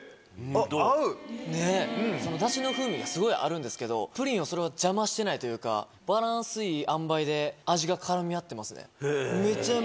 ダシの風味がすごいあるんですけどプリンをそれは邪魔してないというかバランスいいあんばいで味が絡み合ってますね。